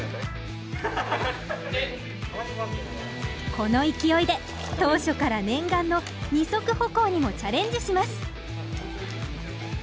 この勢いで当初から念願の二足歩行にもチャレンジします